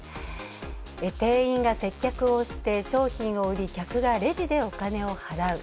定員が接客をして商品を売り客がレジでお金を払う。